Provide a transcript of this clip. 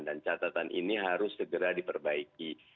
dan catatan ini harus segera diperbaiki